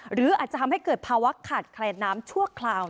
หรืออาจจะทำให้เกิดภาวะขาดแคลนน้ำชั่วคราว